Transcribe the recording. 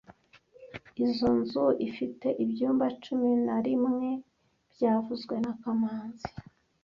Izoi nzu ifite ibyumba cumi na rimwe byavuzwe na kamanzi